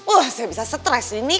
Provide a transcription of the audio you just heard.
wah saya bisa stres ini